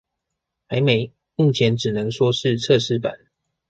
還沒，目前只能說是測試版